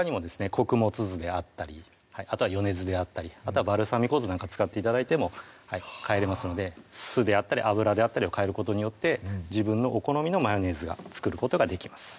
穀物酢であったりあとは米酢であったりあとはバルサミコ酢なんか使って頂いても変えれますので酢であったり油であったりを変えることによって自分のお好みのマヨネーズが作ることができます